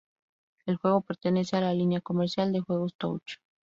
El juego pertenece a la línea comercial de juegos Touch!